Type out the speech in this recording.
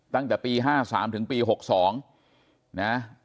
ตั้งแต่ปี๕๓ถึงปี๖๒นะ